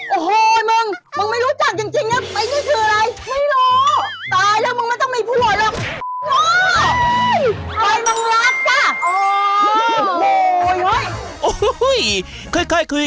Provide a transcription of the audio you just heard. โอ้โห้ยมึงมึงไม่รู้จักจริงไปนี่คืออะไร